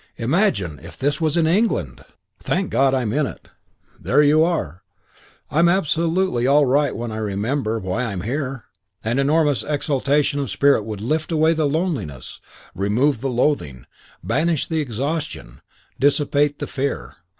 Imagine if this was in England! Thank God I'm in it. There you are! I'm absolutely all right when I remember why I'm here." And enormous exaltation of spirit would lift away the loneliness, remove the loathing, banish the exhaustion, dissipate the fear.